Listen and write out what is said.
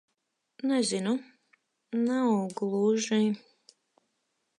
Nezinu. Nav gluži...